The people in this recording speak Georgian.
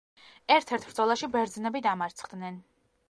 ერთ-ერთ ბრძოლაში ბერძნები დამარცხდნენ.